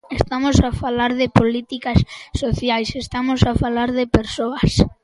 Estamos a falar de políticas sociais, estamos a falar de persoas.